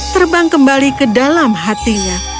terbang kembali ke dalam hatinya